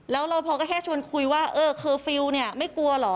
แล้วรอพอก็แค่ชวนคุยว่าคือฟิลล์ไม่กลัวเหรอ